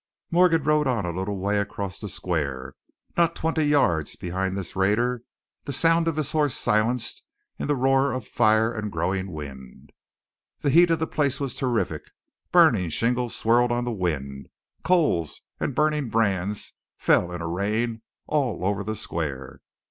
Morgan rode on a little way across the square, not twenty yards behind this raider, the sound of his horse silenced in the roar of fire and growing wind. The heat of the place was terrific; burning shingles swirled on the wind, coals and burning brands fell in a rain all over the square.